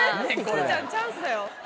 すずちゃんチャンスだよ。